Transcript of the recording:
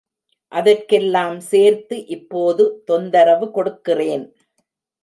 அதற்கெல்லாம் சேர்த்து இப்போது தொந்தரவு கொடுக்கிறேன்.